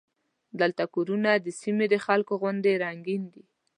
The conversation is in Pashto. دلته کورونه د سیمې د خلکو غوندې رنګین دي.